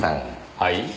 はい？